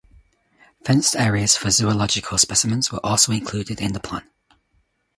Fenced areas for zoological specimens were also included in the plan.